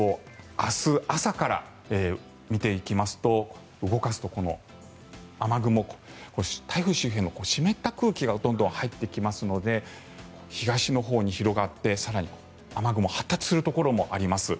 明日朝から見ていきますと動かすと、この雨雲台風周辺の湿った空気がどんどん入ってきますので東のほうに広がって更に、雨雲発達するところもあります。